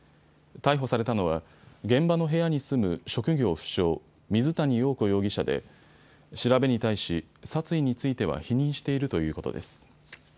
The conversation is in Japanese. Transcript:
逮捕されたのは現場の部屋に住む職業不詳、水谷陽子容疑者で調べに対し殺意については否認しているということです。